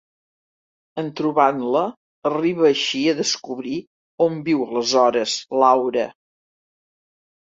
En trobant-la, arriba així a descobrir on viu aleshores Laura.